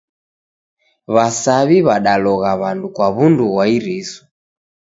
W'asaw'i w'adalogha w'andu kwa w'undu gha iriso.